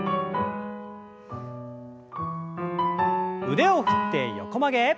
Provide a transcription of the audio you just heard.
腕を振って横曲げ。